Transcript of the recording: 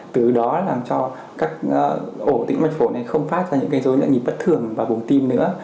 từ đó làm cho các ổ tĩnh mạch phổi này không phát ra những gây dối lại nhịp bất thường vào bồn tim nữa